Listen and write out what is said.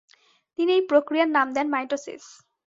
তিনি এই প্রক্রিয়ার নাম দেন মাইটোসিস।